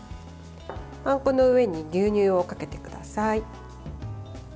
パン粉の上に牛乳をかけてください。